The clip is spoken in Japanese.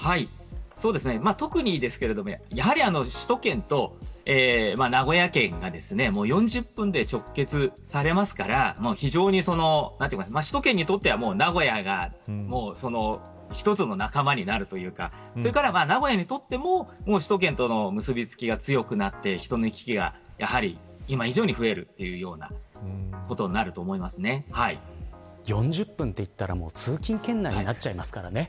特にですけど、やはり首都圏と名古屋圏が４０分で直結されるので首都圏にとっては名古屋が一つの仲間になるというか名古屋にとっても首都圏との結び付きが強くなって人の行き来が今以上に増えるというようなことに４０分といったら通勤圏内になりますからね。